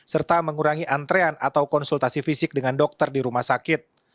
serta mengurangi antrean atau konsultasi fisik dengan dokter di rumah sakit